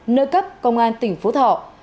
nơi cấp công an tỉnh phú thọ